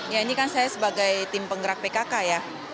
ya ini kan saya sebagai tim penggerak pkk ya